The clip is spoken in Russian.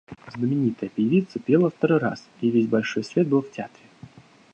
Знаменитая певица пела второй раз, и весь большой свет был в театре.